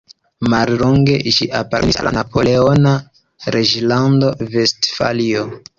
Mallonge ĝi apartenis al la napoleona reĝlando Vestfalio.